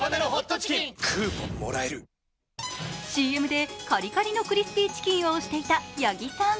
ＣＭでカリカリのクリスピーチキンを推していた八木さん。